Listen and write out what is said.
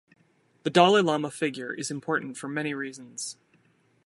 The Dalai Lama figure is important for many reasons.